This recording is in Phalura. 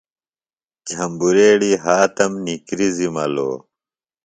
جھمبریڑیۡ ہاتم نِکرزِیۡ ملو